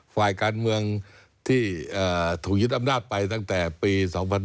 ฝ่ายการเมืองที่ถูกยึดอำนาจไปตั้งแต่ปี๒๕๖๒